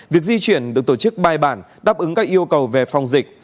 việc di chuyển được tổ chức bài bản đáp ứng các yêu cầu về phòng dịch